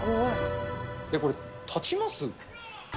これ、立ちます？